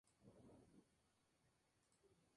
Los adultos se alimentan de especies de Saxifraga.